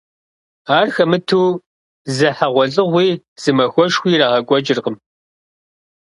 Ар хэмыту зы хьэгъуэлӏыгъуи, зы махуэшхуи ирагъэкӏуэкӏыркъым.